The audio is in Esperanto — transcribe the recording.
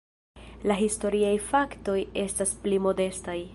La historiaj faktoj estas pli modestaj.